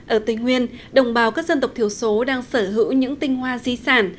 ở tây nguyên đồng bào các dân tộc thiểu số đang sở hữu những tinh hoa di sản